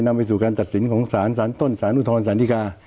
ไปสู่การตัดสินของสารสารต้นสารอุทธรสารธิกา